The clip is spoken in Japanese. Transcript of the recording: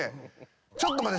「ちょっと待て。